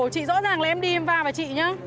chị rõ ràng là em đi em và bà chị nhé